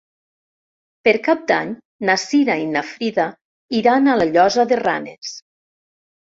Per Cap d'Any na Cira i na Frida iran a la Llosa de Ranes.